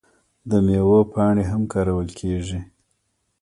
د میوو پاڼې هم کارول کیږي.